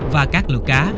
và các lượt cá